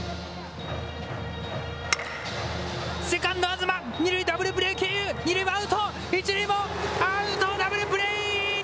セカンド、あずま、２塁、ダブルプレー経由、２塁アウト、１塁もアウト、ダブルプレー！